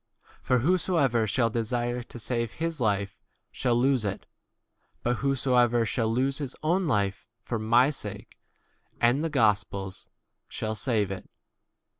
For whoso ever shall desire to save his life shall lose it, but whosoever shall c lose his own d life for my sake and the gospel's e shall save it.